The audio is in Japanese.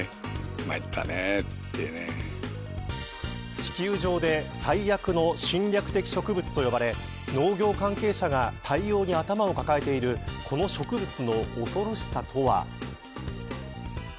地球上で最悪の侵略的植物と呼ばれ農業関係者が対応に頭を抱えているこの植物の恐ろしさとは。